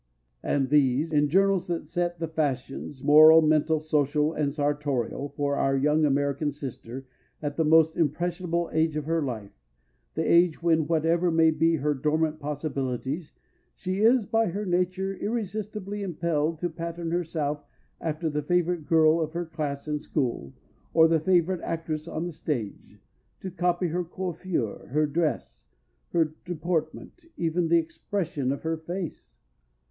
And these (in journals that set the fashions moral, mental, social and sartorial) for our young American sister at the most impressionable age of her life—the age when, whatever may be her dormant possibilities, she is by her nature irresistibly impelled to pattern herself after the favorite girl of her class in school, or the favorite actress on the stage—to copy her coiffure, her dress, her deportment, even the expression of her face.